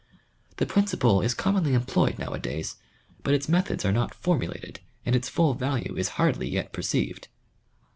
The principle is com^ monly employed nowadays, but its methods are not formulated, and its full value is hardly yet perceived.